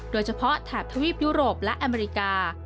โดยเฉพาะแถบทวีปยุโรปและอเมริกา